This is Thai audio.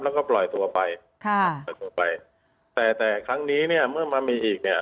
แล้วก็ปล่อยตัวไปแต่แต่ครั้งนี้เนี่ยเมื่อมามีอีกเนี่ย